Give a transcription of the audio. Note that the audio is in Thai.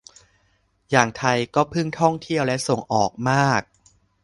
อย่างไทยก็พึ่งท่องเที่ยวและส่งออกมาก